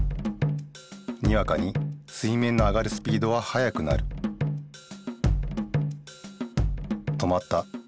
にわかに水面の上がるスピードは速くなる止まった。